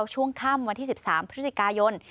ช่วงค่ำวันที่๑๓พฤศจิกายน